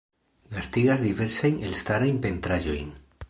Gastigas diversajn elstarajn pentraĵojn.